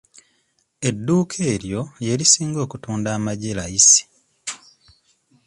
Edduuka eryo lye lisinga okutunda amagi layisi.